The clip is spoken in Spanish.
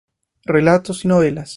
Relatos y novelas